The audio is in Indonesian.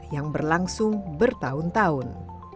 yang berlangsung bertahun tahun